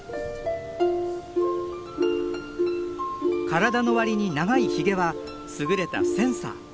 体のわりに長いヒゲは優れたセンサー。